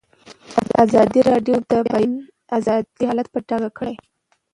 ازادي راډیو د د بیان آزادي حالت په ډاګه کړی.